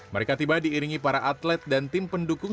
mereka tiba diiringi para atlet dan tim pendukung